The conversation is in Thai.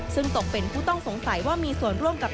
ซึ่งตกเป็นผู้ต้องสงสัยว่ามีส่วนร่วมกับ